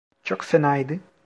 Çok fenaydı.